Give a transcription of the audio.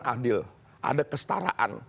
adil ada kestaraan